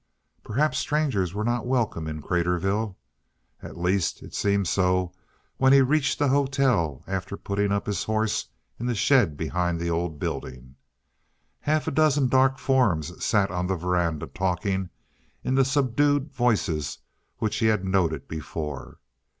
Perhaps strangers were not welcome in Craterville. At least, it seemed so when he reached the hotel after putting up his horse in the shed behind the old building. Half a dozen dark forms sat on the veranda talking in the subdued voices which he had noted before.